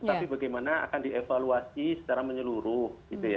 tapi bagaimana akan dievaluasi secara menyeluruh